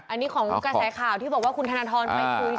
อันนี้ของกระแสข่าวที่บอกว่าคุณธนทรไปคุย